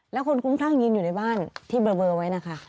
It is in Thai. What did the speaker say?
แล้วคนคุ้มคลั่งยืนอยู่ในบ้านที่เบลอไว้นะคะ